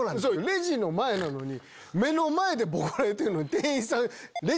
レジの前なのに目の前でボコられてんのに。